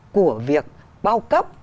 của việc bao cấp